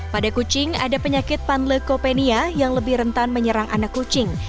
pada kucing ada penyakit panleucopenia yang lebih rentan menyerang anak kucing